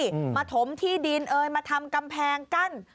ซื้อที่มาถมที่ดินเอิญมาทำแกมแพงกั้น